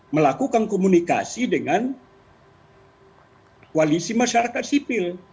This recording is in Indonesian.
melakukan komunikasi dengan koalisi masyarakat sipil